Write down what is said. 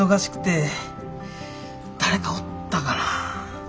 誰かおったかな。